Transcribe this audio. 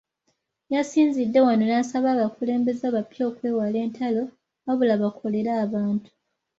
Yasinzidde wano n’asaba abakulembeze abapya okwewala entalo, wabula bakolere abantu.